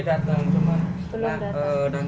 harusnya hari ini datang